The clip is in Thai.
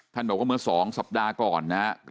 บอกว่าเมื่อ๒สัปดาห์ก่อนนะครับ